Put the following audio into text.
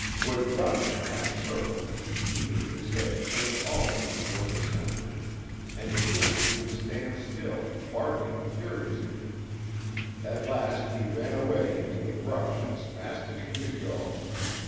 would run in a half circle, keeping his head turned always toward the centre, and again he would stand still, barking furiously. At last he ran away into the brush as fast as he could go.